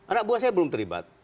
anak buah saya belum terlibat